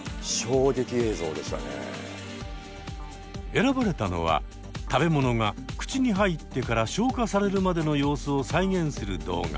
選ばれたのは食べ物が口に入ってから消化されるまでの様子を再現する動画。